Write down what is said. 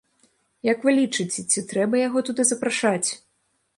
Як вы лічыце, ці трэба яго туды запрашаць?